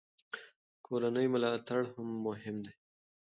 کورنۍ ملاتړ مهم دی.